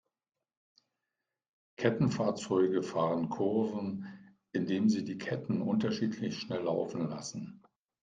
Kettenfahrzeuge fahren Kurven, indem sie die Ketten unterschiedlich schnell laufen lassen.